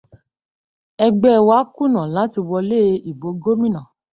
Ẹgbẹ́ wa kùnà láti wọlé ìbò gómìnà.